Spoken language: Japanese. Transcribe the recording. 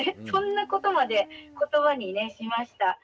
そんなことまでことばにしました。